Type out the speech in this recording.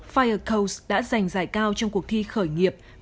firecode đã giành giải cao trong cuộc thi khởi nghiệp magic book